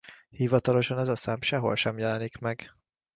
Hivatalosan ez a szám sehol sem jelenik meg.